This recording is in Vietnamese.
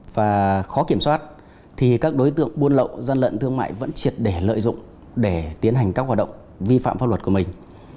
và khó kiểm soát thì các đối tượng buôn lậu gian lận thương mại vẫn triệt để lợi dụng để tiến hành các hoạt động vi phạm pháp luật của mình